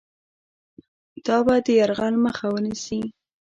دا به د یرغل مخه ونیسي.